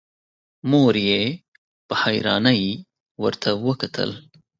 مور يې په حيرانی ورته وکتل.